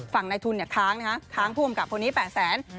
ในทุนค้างนะคะค้างผู้กำกับคนนี้๘แสน